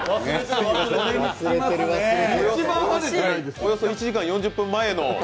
およそ１時間４０分前の。